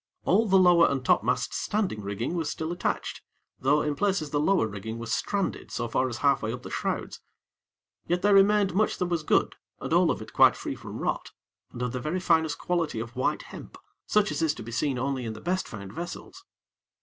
All the lower and topmast standing rigging was still attached, though in places the lower rigging was stranded so far as half way up the shrouds; yet there remained much that was good and all of it quite free from rot, and of the very finest quality of white hemp, such as is to be seen only in the best found vessels.